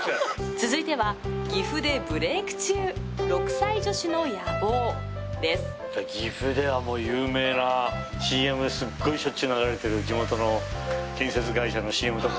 続いては岐阜ではもう有名なＣＭすごいしょっちゅう流れてる地元の建設会社のＣＭとか。